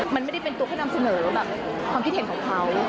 มันไม่ได้เป็นตัวแค่นำเสนอแบบความคิดเห็นของเขา